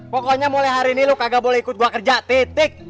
pokoknya mulai hari ini lu kagak boleh ikut gua kerja titik